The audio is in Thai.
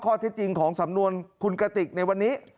ข้อเท็จจริงของสำนวนคุณกระติกในวันนี้